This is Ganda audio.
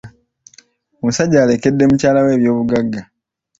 Omsajja alekedde mukyala we ebyobugagga.